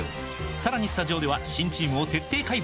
さらにスタジオでは新チームを徹底解剖！